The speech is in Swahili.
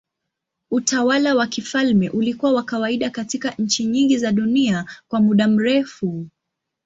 Utawala wa kifalme ulikuwa wa kawaida katika nchi nyingi za dunia kwa muda mrefu.